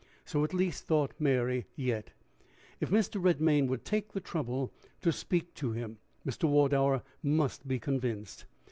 so, at least, thought Mary yet. If Mr. Redmain would take the trouble to speak to him, Mr. Wardour must be convinced!